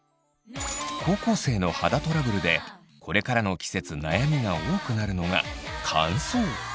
高校生の肌トラブルでこれからの季節悩みが多くなるのが乾燥。